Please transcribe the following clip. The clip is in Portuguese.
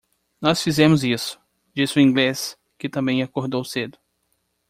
"Nós fizemos isso!" disse o inglês? que também acordou cedo.